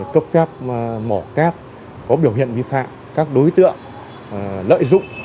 cấp phép mỏ cát có biểu hiện vi phạm các đối tượng lợi dụng